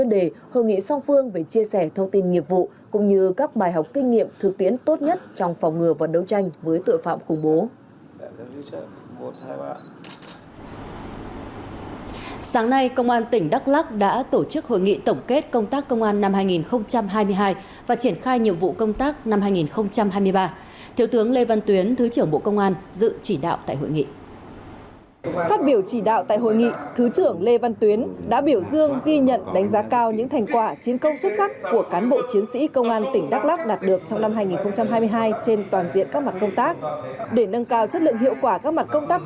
để nâng cao chất lượng hiệu quả các mặt công tác công an trong năm hai nghìn hai mươi ba